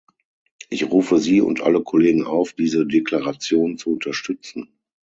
Ich rufe Sie und alle Kollegen auf, diese Deklaration zu unterstützen.